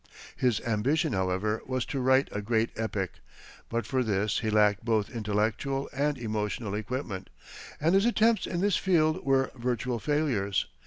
His ambition, however, was to write a great epic; but for this he lacked both intellectual and emotional equipment, and his attempts in this field were virtual failures.